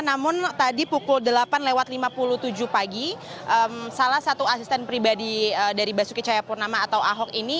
namun tadi pukul delapan lewat lima puluh tujuh pagi salah satu asisten pribadi dari basuki cahayapurnama atau ahok ini